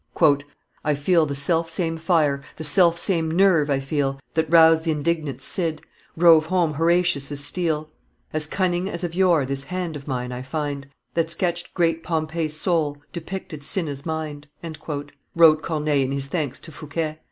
"I feel the selfsame fire, the selfsame nerve I feel, That roused th' indignant Cid, drove home Iloratius' steel; As cunning as of yore this hand of mine I find, That sketched great Pompey's soul, depicted Cinna's mind," wrote Corneille in his thanks to Fouquet.